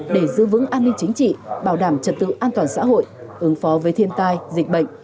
để giữ vững an ninh chính trị bảo đảm trật tự an toàn xã hội ứng phó với thiên tai dịch bệnh